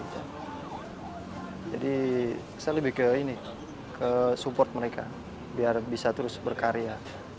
saya lebih ke support mereka biar bisa terus berkarya